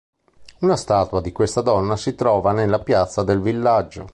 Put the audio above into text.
Una statua di questa donna si trova nella piazza del villaggio.